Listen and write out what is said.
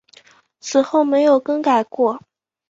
此后没有更改过。